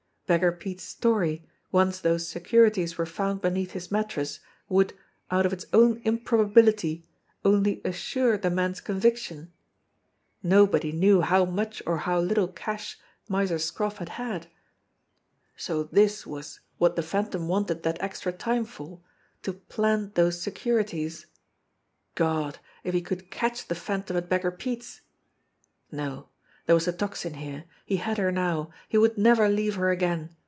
Beggar Pete's story, once those se curities were found beneath his mattress, would, out of its own improbability, only assure the man's conviction. No 122 JIMMIE DALE AND THE PHANTOM CLUE body knew how much or how little cash Miser Scroff had had ! So this was what the Phantom wanted that extra time for to plant those securities. God, if he could catch the Phantom at Beggar Pete's ! No ! There was the Tocsin here he had her now he would never leave her again.